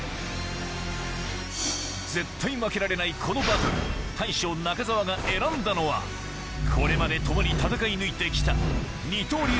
絶対負けられないこのバトル大将・中澤が選んだのはこれまで共に戦い抜いて来た二刀流